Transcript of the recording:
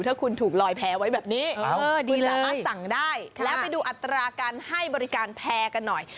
ถ้าคุณถูกลอยแพ้ไว้แบบนี้คุณสามารถสั่งได้แล้วไปดูอัตราการให้บริการแพร่กันหน่อย